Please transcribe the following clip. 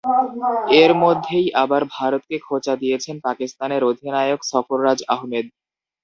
এর মধ্যেই আবার ভারতকে খোঁচা দিয়েছেন পাকিস্তানের অধিনায়ক সরফরাজ আহমেদ।